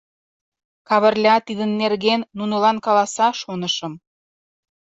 Кавырля тидын нерген нунылан каласа, шонышым.